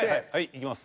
いきます。